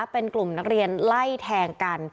เป็นกลุ่มนักเรียนไล่แทงกัน